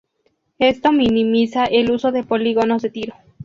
Esto minimiza el uso de polígonos de tiro.